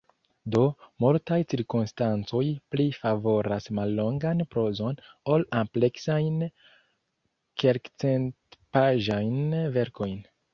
Do, multaj cirkonstancoj pli favoras mallongan prozon ol ampleksajn, kelkcentpaĝajn verkojn.